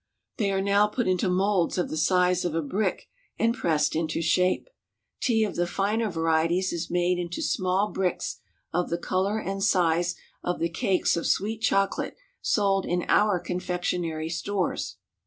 They are now put into molds of the size of a brick and pressed into shape. Tea of the finer varieties is made into small bricks of the color and size of the cakes of sweet chocolate sold in our confectionery stores.